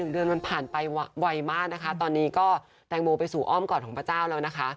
เดือนมันผ่านไปไวมากนะคะตอนนี้ก็แตงโมไปสู่อ้อมกอดของพระเจ้าแล้วนะคะ